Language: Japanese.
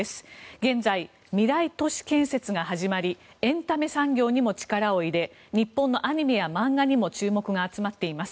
現在未来都市建設計画が始まりアニメにも力を入れ日本のアニメや漫画にも注目が集まっています。